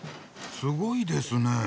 すごいですね。